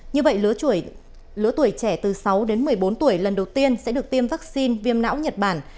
như vậy lứa tuổi trẻ từ sáu đến một mươi bốn tuổi lần đầu tiên sẽ được tiêm vaccine viêm não nhật bản